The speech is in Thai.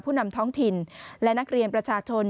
นำท้องถิ่นและนักเรียนประชาชน